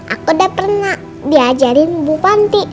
aku udah pernah diajarin bu panti